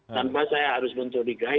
tanpa saya harus mencurigai